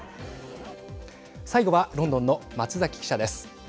最後はロンドンの松崎記者です。